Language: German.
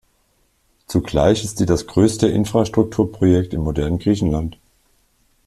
Zugleich ist sie das größte Infrastrukturprojekt im modernen Griechenland.